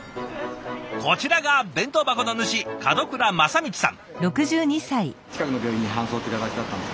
こちらが弁当箱の主門倉正道さん。